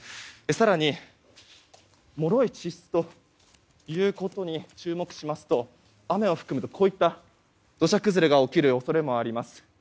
更に、もろい地質ということに注目しますと雨を含むと土砂崩れが起きる恐れもあります。